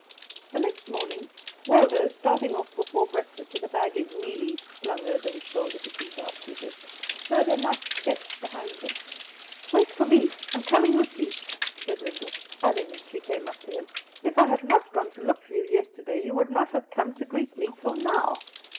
The next morning, Waldo, starting off before breakfast with a bag of mealies slung over his shoulder to feed the ostriches, heard a light step behind him. "Wait for me; I am coming with you," said Lyndall, adding as she came up to him, "if I had not gone to look for you yesterday you would not have come to greet me till now.